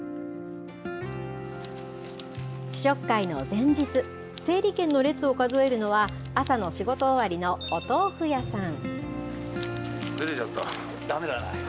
試食会の前日、整理券の列を数えるのは、朝の仕事終わりのお豆腐屋さん。